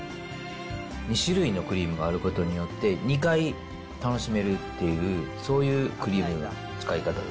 ２種類のクリームがあることによって、２回楽しめるっていう、そういうクリームの使い方。